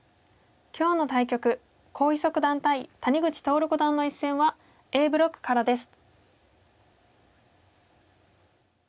今日の対局黄翊祖九段対谷口徹五段の一戦はＡブロックからです。